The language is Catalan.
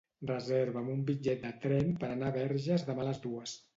Reserva'm un bitllet de tren per anar a Verges demà a les dues.